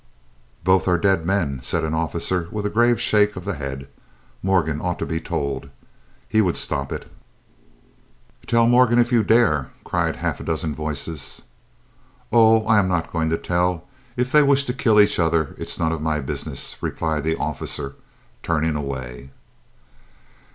"Both are dead men," said an officer, with a grave shake of the head. "Morgan ought to be told; he would stop it." "Tell Morgan if you dare!" cried half a dozen voices. "Oh, I am not going to tell; if they wish to kill each other it's none of my business," replied the officer, turning away.